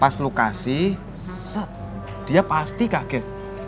pas lo kasih dia pasti kaget